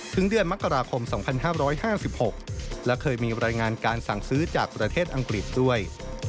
ถึงเดือนมกราคม๒๕๕๖และเคยมีรายงานการสั่งซื้อจากประเทศอังกฤษด้วย